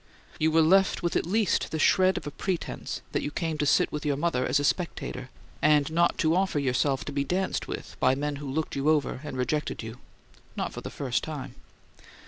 You were left with at least the shred of a pretense that you came to sit with your mother as a spectator, and not to offer yourself to be danced with by men who looked you over and rejected you not for the first time.